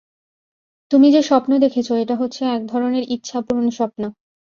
তুমি যে-স্বপ্ন দেখেছ এটা হচ্ছে এক ধরনের ইচ্ছাপূরণ স্বপ্ন।